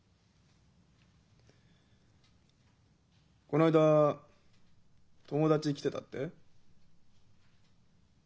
この間友達来てたって？